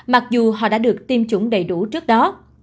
mặc dù họ đã được tiêm chủng đầy đủ trước đó